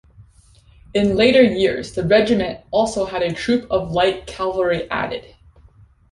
In later years, the Regiment also had a troop of light cavalry added.